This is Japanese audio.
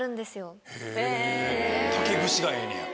竹串がええねや。